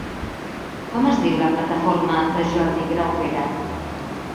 Com es diu la plataforma de Jordi Graupera?